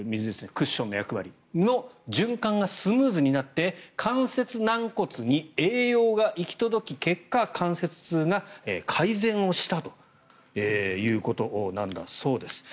クッションの役割の循環がスムーズになって関節軟骨に栄養が行き届き結果、関節痛が改善をしたということなんだそうです。